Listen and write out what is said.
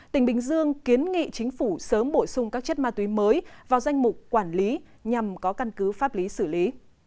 tỉnh bình dương kiến nghị chính phủ sớm bổ sung các chất ma túy mới vào danh mục quản lý nhằm có căn cứ pháp lý xử lý